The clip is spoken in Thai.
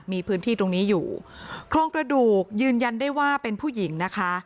มีพื้นที่ตรงนี้อยู่โครงกระดูกยืนยันได้ว่าเป็นผู้หญิงนะคะ